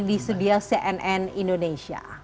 di sedia cnn indonesia